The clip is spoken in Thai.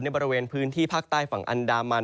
บริเวณพื้นที่ภาคใต้ฝั่งอันดามัน